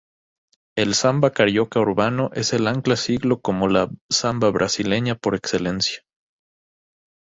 El samba carioca urbano es el ancla siglo como la "samba brasileña" por excelencia.